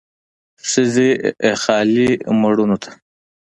ښځې خالي مړوندونو ته